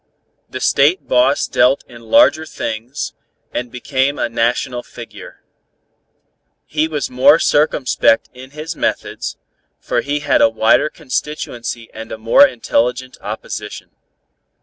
The State boss dealt in larger things, and became a national figure. He was more circumspect in his methods, for he had a wider constituency and a more intelligent opposition.